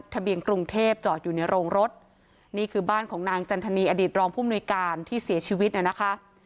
กรุงเทพจอดอยู่ในโรงรถนี่คือบ้านของนางจันทนีอดีตรองผู้มนุยการที่เสียชีวิตน่ะนะคะ